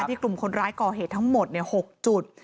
กลุ่มคนร้ายก่อเหตุทั้งหมด๖จุด